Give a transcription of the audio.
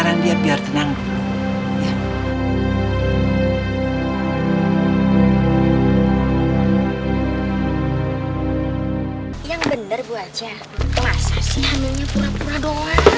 yang bener bu aceh masa sih hamilnya pura pura doang